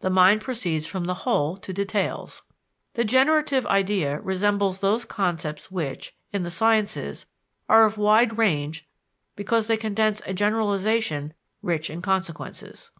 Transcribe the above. The mind proceeds from the whole to details. The generative idea resembles those concepts which, in the sciences, are of wide range because they condense a generalization rich in consequences.